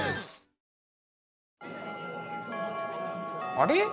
あれ？